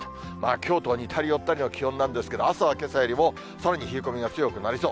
きょうと似たり寄ったりの気温なんですけど、朝はけさよりもさらに冷え込みが強くなりそう。